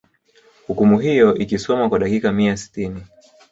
hukumu hiyo ilkisomwa kwa dakika mia sitini